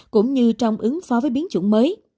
cũng như trong ứng phó với biến chủng mới